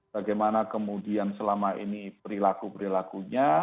bagaimana kemudian selama ini perilaku perilakunya